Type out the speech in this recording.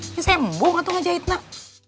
ini sembuh gak tuh ngajahit nak